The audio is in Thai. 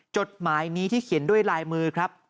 จดหมายนี้ที่เขียนด้วยลายมือครับ